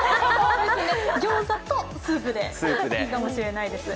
餃子とスープでいいかもしれないです。